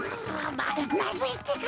ままずいってか。